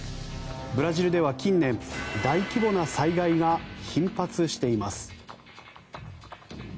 ブラジルでは近年大規模な災害が頻発しています。